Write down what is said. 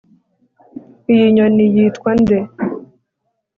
Iyi nyoni yitwa nde